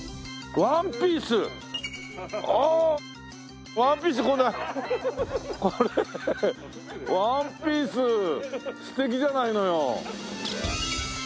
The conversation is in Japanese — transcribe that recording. ワンピース素敵じゃないのよ。